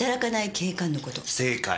正解。